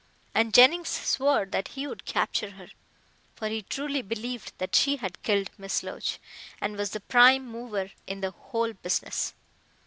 And Jennings swore that he would capture her, for he truly believed that she had killed Miss Loach, and was the prime mover in the whole business.